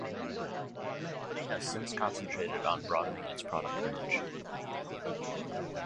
The company has since concentrated on broadening its product range.